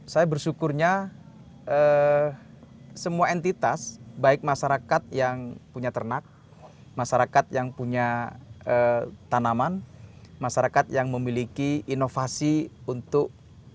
saya bersyukurnya semua entitas baik masyarakat yang punya ternak masyarakat yang punya tanaman masyarakat yang memiliki inovasi untuk